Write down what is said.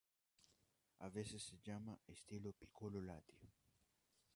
A veces se llama a esto "piccolo latte".